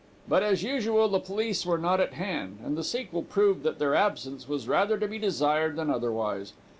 But, as usual, the police were not at hand, and the sequel proved that their absence was rather to be desired than otherwise.